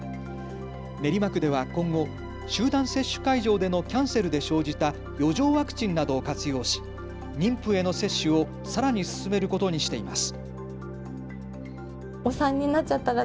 練馬区では今後、集団接種会場でのキャンセルで生じた余剰ワクチンなどを活用し、妊婦への接種をさらに進めることにしています。